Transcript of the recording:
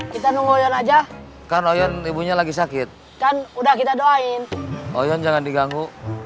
kita nunggu oyun aja kan oyun ibunya lagi sakit kan udah kita doain oyun jangan diganggu